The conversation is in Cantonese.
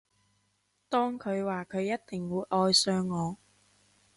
當佢話佢一定會愛上我